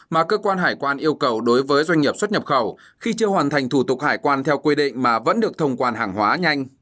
mà cơ quan hải quan yêu cầu đối với doanh nghiệp xuất nhập khẩu khi chưa hoàn thành thủ tục hải quan theo quy định mà vẫn được thông quan hàng hóa nhanh